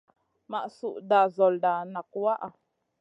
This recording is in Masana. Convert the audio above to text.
Ma sud nda nzolda nak waʼha.